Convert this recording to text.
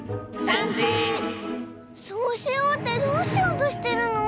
そうしようってどうしようとしてるの？